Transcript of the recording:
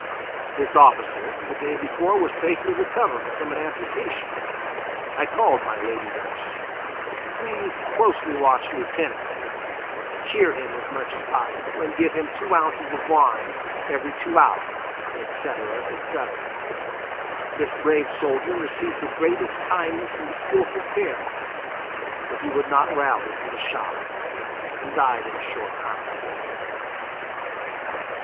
This officer the day before was safely recovering from an amputation. I called my lady nurse, "Please closely watch Lieutenant ; cheer him as much as possible, and give him two ounces of wine every two hours," etc., etc. This brave soldier received the greatest kindness and skillful care, but he would not rally from the shock and died in a short time.